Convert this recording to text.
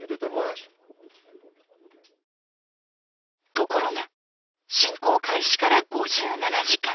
ところが侵攻開始から５７時間